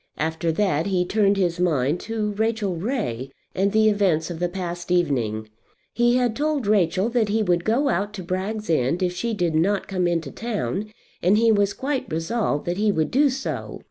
After that he turned his mind to Rachel Ray and the events of the past evening. He had told Rachel that he would go out to Bragg's End if she did not come into town, and he was quite resolved that he would do so.